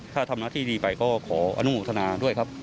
ถ้าทำหน้าที่ดีไปก็ขออนุโมทนาด้วยครับ